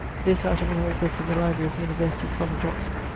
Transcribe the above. This out of an old booke in the library of University College, Oxon.